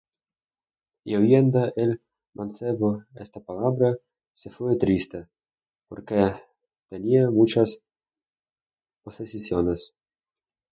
Y oyendo el mancebo esta palabra, se fué triste, porque tenía muchas posesiones.